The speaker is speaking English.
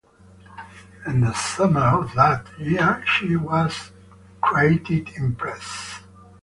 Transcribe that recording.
In the summer of that year, she was created empress.